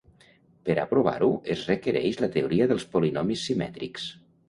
Per a provar-ho es requereix la teoria dels polinomis simètrics.